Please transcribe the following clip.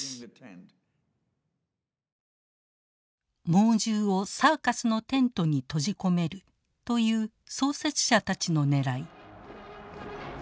猛獣をサーカスのテントに閉じ込めるという創設者たちのねらい。